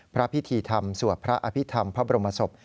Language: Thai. พระพิธีธรรมสวดพระอภิษฐรรมพระบรมศพ